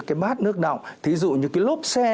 cái bát nước động thí dụ như cái lốp xe